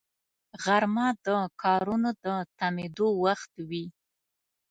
غرمه د کارونو د تمېدو وخت وي